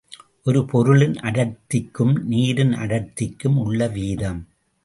ஒரு பொருளின் அடர்த்திக்கும் நீரின் அடர்த்திக்கும் உள்ள வீதம்.